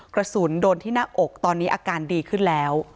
กระสุนโดนที่หน้าอกตอนนี้อาการดีขึ้นแล้ว